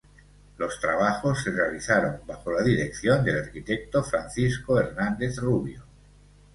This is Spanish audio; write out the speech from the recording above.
Los trabajos se realizaron bajo la dirección del arquitecto Francisco Hernández Rubio.